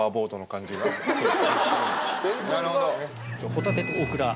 ホタテとオクラ。